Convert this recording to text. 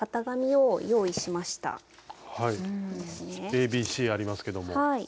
ＡＢＣありますけども。